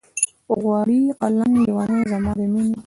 غواړي قلنګ لېونے زما د مينې